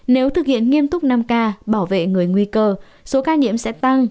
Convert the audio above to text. nếu thực hiện nghiêm túc năm k bảo vệ người nguy cơ số ca nhiễm sẽ tăng